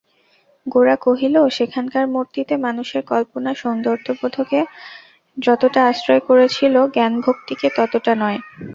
গোরা কহিল, সেখানকার মূর্তিতে মানুষের কল্পনা সৌন্দর্যবোধকে যতটা আশ্রয় করেছিল জ্ঞানভক্তিকে ততটা নয়।